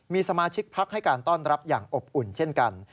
มีสมาชิกพักให้การต้อนรับอย่างอบอุ่นเช่นกัน